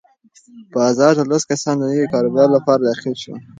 بازار ته لس کسان د نوي کاروبار لپاره داخل شول.